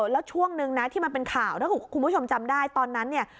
แล้วช่วงนึงนะที่มันเป็นข่าวถ้าคุณผู้ชมจำได้ตอนนั้นเนี่ย